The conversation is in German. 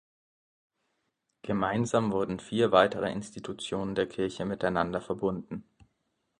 Gemeinsam wurden vier weitere Institutionen der Kirche miteinander verbunden.